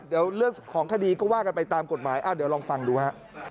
เดี๋ยวเรื่องของคดีก็ว่ากันไปตามกฎหมายเดี๋ยวลองฟังดูฮะ